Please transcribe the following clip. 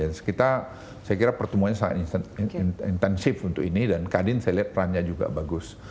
dan sekitar saya kira pertumbuhannya sangat intensif untuk ini dan kadin saya lihat perannya juga bagus